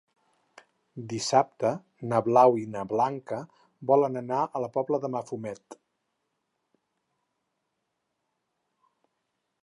Dissabte na Blau i na Blanca volen anar a la Pobla de Mafumet.